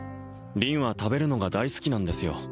凛は食べるのが大好きなんですよ